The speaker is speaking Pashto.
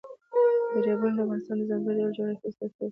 دریابونه د افغانستان د ځانګړي ډول جغرافیه استازیتوب کوي.